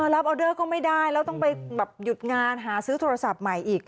ออเดอร์ก็ไม่ได้แล้วต้องไปหยุดงานหาซื้อโทรศัพท์ใหม่อีก